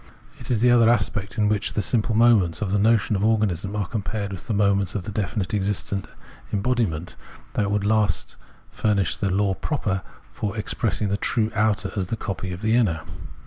It is the other aspect, in which the simple moments of the notion of organism are compared with the moments of the definite existent embodiment, that would at last furnish the law proper for expressing the true outer as the copy of the inner.